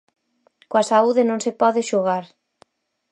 Coa saúde non se pode xogar.